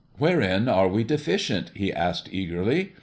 "Wherein are we deficient?" he asked eagerly.